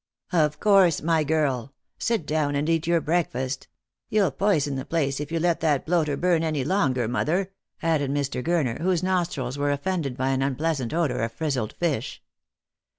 " Of course, my girl ; sit down and eat your breakfast. — You'll poison the place, if you let that bloater burn any longer, mother," added Mr. Gurner, whose nostrils were offended by an unpleasant odour of frizzled fish.